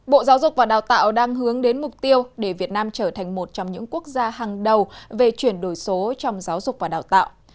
bộ giáo dục và đào tạo đang hướng đến mục tiêu để việt nam trở thành một trong những quốc gia hàng đầu về chuyển đổi số trong giáo dục và đào tạo